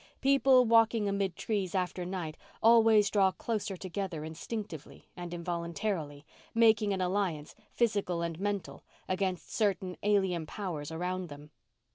People walking amid trees after night always draw closer together instinctively and involuntarily, making an alliance, physical and mental, against certain alien powers around them.